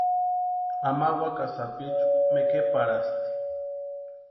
Ama wakasï sapichu mekeparhasti.